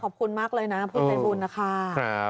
ขอบคุณมากเลยนะพุทธเป็นบุญนะคะ